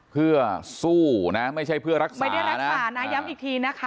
เพื่อสู้นะไม่ใช่เพื่อรักษาไม่ได้รักษานะย้ำอีกทีนะคะ